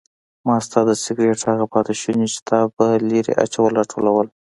ما ستا د سګرټ هغه پاتې شوني چې تا به لرې اچول راټولول.